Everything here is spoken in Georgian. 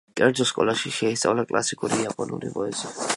კერძო სკოლაში შეისწავლა კლასიკური იაპონური პოეზია.